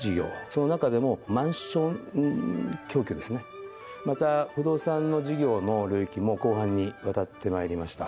その中でもマンション供給ですねまた不動産の事業の領域も広範にわたってまいりました。